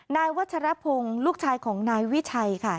นายวัชรพงศ์ลูกชายของนายวิชัยค่ะ